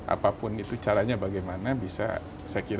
apapun itu caranya bagaimana bisa sekitar